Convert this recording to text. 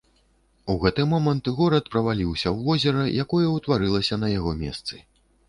У гэты момант горад праваліўся ў возера, якое ўтварылася на яго месцы.